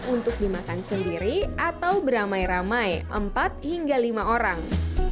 untuk dimakan sendiri atau beramai ramai empat hingga lima orang